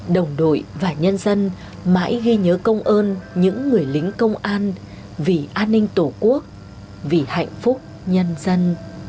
đồng đội và nhân dân mãi ghi nhớ công ơn những người lính công an vì an ninh tổ quốc vì hạnh phúc nhân dân